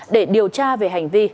để điều tra về hành vi